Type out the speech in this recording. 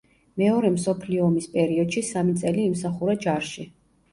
მეორე მსოფლიო ომის პერიოდში სამი წელი იმსახურა ჯარში.